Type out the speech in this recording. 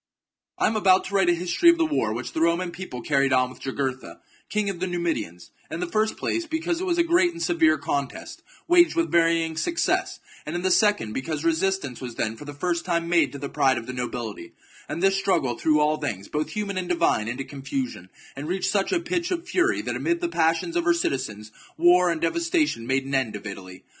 I am about to write a history of the war which the ^^f^^ Roman people carried on with Jugurtha, king of the Numidians, in the first place because it was a great and severe contest, waged with varying success ; and in the second, because resistance was then for the first time made to the pride of the nobility, and this struggle threw all things, both human and divine, into confusion, and reached such a pitch of fury that amid the passions of her citizens war and devastation made an end of Italy.